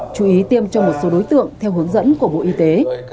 chú ý tiêm cho một số đối tượng theo hướng dẫn của bộ y tế